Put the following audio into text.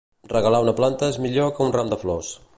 Regalar una planta és millor que un ram de flors.